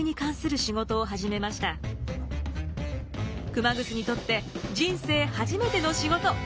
熊楠にとって人生初めての仕事。